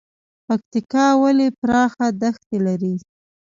پکتیکا ولې پراخه دښتې لري؟